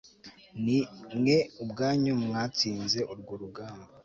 ni mwe ubwanyu mwatsinze urwo rugamba